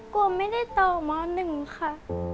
กลัวไม่ได้ต่อม๑ค่ะ